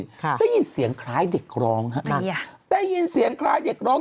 ค่ะได้ยินเสียงคล้ายเด็กร้องฮะได้ยินเสียงคล้ายเด็กร้อง